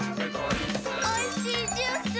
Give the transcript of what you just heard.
「おいしいジュース！」